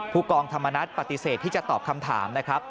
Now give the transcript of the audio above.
ผู้กองธรรมนัฏปฏิเสธที่จะตอบคำถามนะครับ